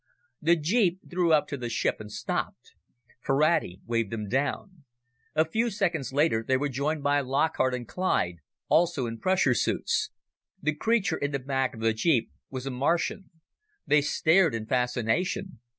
The jeep drew up to the ship and stopped. Ferrati waved them down. A few seconds later they were joined by Lockhart and Clyde, also in pressure suits. The creature in the back of the jeep was a Martian. They stared in fascination.